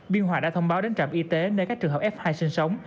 biên hòa đã thông báo đến trạm y tế nơi các trường hợp f hai sinh sống